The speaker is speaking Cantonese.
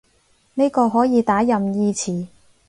呢個可以打任意詞